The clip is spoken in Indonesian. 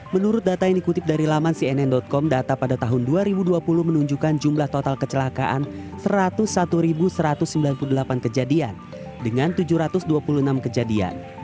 menurut data yang dikutip dari laman cnn com data pada tahun dua ribu dua puluh menunjukkan jumlah total kecelakaan satu ratus satu satu ratus sembilan puluh delapan kejadian dengan tujuh ratus dua puluh enam kejadian